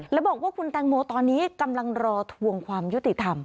แล้วบอกว่าคุณแตงโมตอนนี้กำลังรอทวงความยุติธรรม